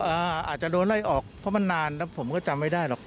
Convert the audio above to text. อาจจะโดนไล่ออกเพราะมันนานแล้วผมก็จำไม่ได้หรอก